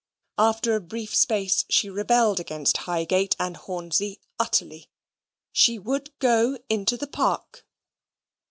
After a brief space, she rebelled against Highgate and Hornsey utterly. She would go into the Park.